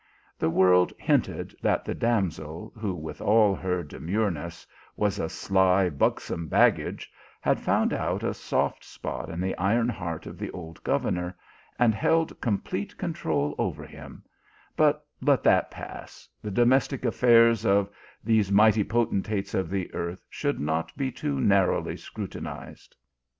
The world hinted that the damsel, who, with all her demureness, was a sly, buxom baggage, had found out a soft spot in the iron heart of the old governor, and held complete control over him, but let that pass ; the domestic affairs of these mighty potentates of the earth should not be too narrowly scrutinized.